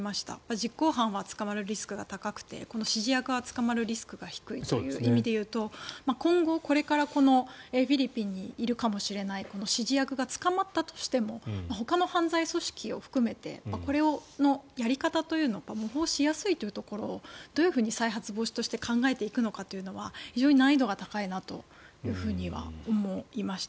実行犯は捕まるリスクが高くてこの指示役は捕まるリスクが低いという意味でいうと今後、これからフィリピンにいるかもしれないこの指示役が捕まったとしてもほかの犯罪組織を含めてこれのやり方というのが模倣しやすいというのをどういうふうに再発防止として考えていくのかというのは非常に難易度が高いなとは思いました。